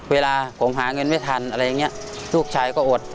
เวลาผมหาเงินไม่ทันอะไรอย่างนี้ลูกชายก็อด